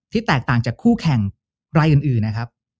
แตกต่างจากคู่แข่งรายอื่นนะครับ